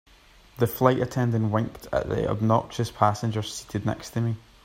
The flight attendant winked at the obnoxious passenger seated next to me.